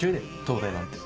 東大なんて。